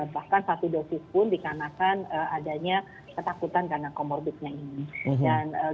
bahkan satu dosis pun dikarenakan adanya ketakutan karena comorbidnya ini